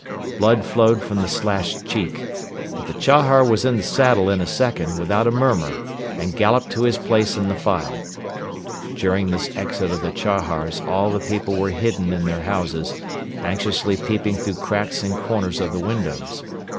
Blood flowed from the slashed cheek. But the Chahar was in the saddle in a second without a murmur and galloped to his place in the file. During this exit of the Chahars all the people were hidden in their houses, anxiously peeping through cracks and corners of the windows.